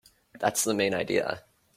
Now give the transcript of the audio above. That's the main idea.